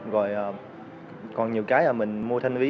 rồi còn nhiều cái là mình mua thanh ví